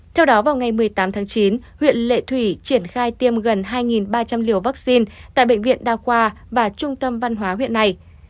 theo đó vào ngày một mươi tám tháng chín huyện lệ thủy triển khai tiêm gần hai ba trăm linh liều vaccine tại bệnh viện đa khoa và trung tâm văn hóa huyện này